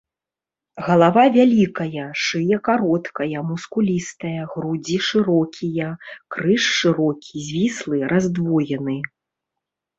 Галава вялікая, шыя кароткая, мускулістая, грудзі шырокія, крыж шырокі, звіслы, раздвоены.